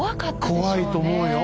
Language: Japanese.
怖いと思うよ。